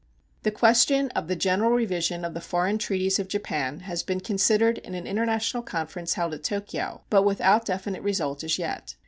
The question of the general revision of the foreign treaties of Japan has been considered in an international conference held at Tokyo, but without definite result as yet.